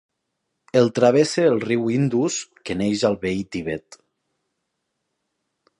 El travessa el riu Indus, que neix al veí Tibet.